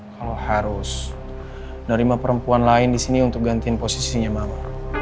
kalau harus nerima perempuan lain di sini untuk gantiin posisinya mama